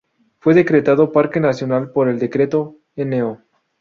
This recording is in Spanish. Fue decretado parque nacional por el Decreto No.